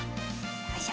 よいしょ。